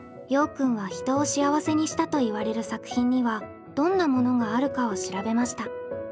くんは人を幸せにしたといわれる作品にはどんなものがあるかを調べました。